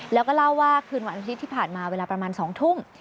แล้วก็เล่าว่าคืนวันอาทิตย์ที่ผ่านมาเวลาประมาณ๒ทุ่ม